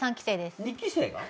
２期生が？